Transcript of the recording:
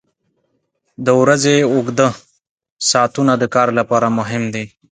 • د ورځې اوږده ساعتونه د کار لپاره مهم دي.